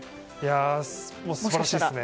素晴らしいですね。